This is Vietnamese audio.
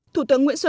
thủ tướng nguyễn xuân